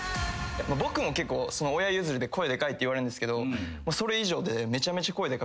僕も結構親譲りで声でかいって言われるんですけどそれ以上でめちゃめちゃ声でかくて。